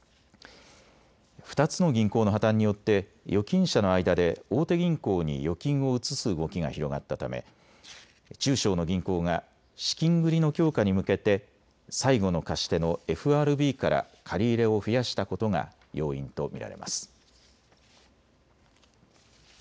２つの銀行の破綻によって預金者の間で大手銀行に預金を移す動きが広がったため中小の銀行が資金繰りの強化に向けて最後の貸し手のＦＲＢから借り入れを増やしたことが要因と見られます。